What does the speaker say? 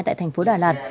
tại thành phố đà nẵng